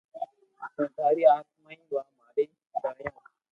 ھين ٿاري آتماني ڀآ ماري دآيو